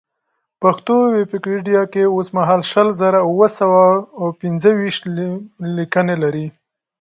پښتو ویکیپېډیا کې اوسمهال شل زره اوه سوه او پېنځه ویشت لیکنې لري.